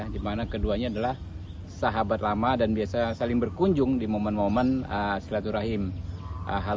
dimana keduanya adalah sahabat lama dan biasa saling berkunjung di momen momen silaturahim